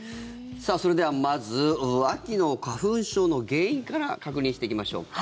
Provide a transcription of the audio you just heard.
それでは、まず秋の花粉症の原因から確認していきましょうか。